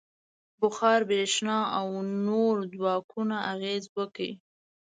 • بخار، برېښنا او نورو ځواکونو اغېز وکړ.